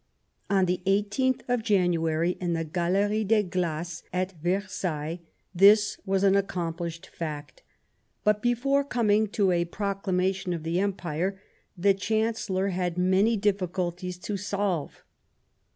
On the i8th of January, in the Galerie des Glaces at Versailles, this was an accomplished fact ; but, before coming to a proclamation of the Empire, the Chancellor had many difficulties to solve.